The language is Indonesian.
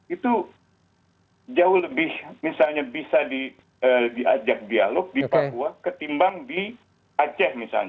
itu jauh lebih misalnya bisa diajak dialog di papua ketimbang di aceh misalnya